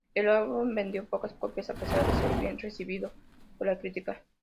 El álbum vendió pocas copias, a pesar de ser bien recibido por la crítica.